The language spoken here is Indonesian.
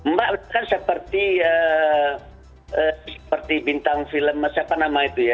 mbak kan seperti bintang film siapa nama itu ya